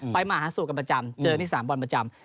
ไปมาหาสูตรกันประจำเจอนิสามบอลประจำ